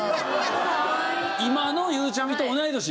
今のゆうちゃみと同い年？